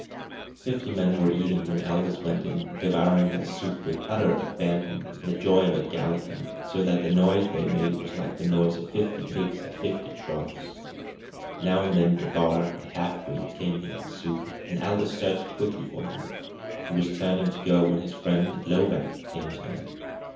Fifty men were eating when Aldous went in, devouring their soup with the utter abandon and joy of the Galician, so that the noise they made was like the noise of fifty pigs at fifty troughs. Now and then DeBar, the half breed, came here for soup, and Aldous searched quickly for him. He was turning to go when his friend, Lovak, came to him.